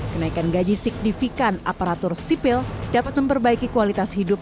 kenaikan gaji signifikan aparatur sipil dapat memperbaiki kualitas hidup